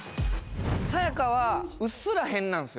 さや香はうっすら変なんですよ。